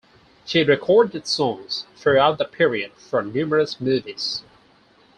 She recorded songs throughout that period for numerous movies.